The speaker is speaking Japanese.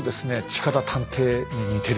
近田探偵に似てる。